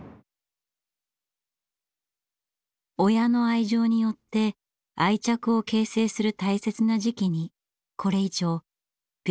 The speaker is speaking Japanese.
親の愛情によって愛着を形成する大切な時期にこれ以上病院に置いておきたくない。